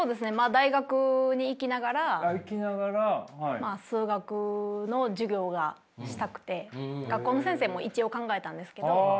大学に行きながら数学の授業がしたくて学校の先生も一応考えたんですけど。